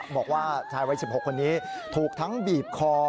บอกว่าชายวัย๑๖คนนี้ถูกทั้งบีบคอ